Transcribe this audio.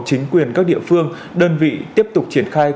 chính quyền các địa phương đơn vị tiếp tục triển khai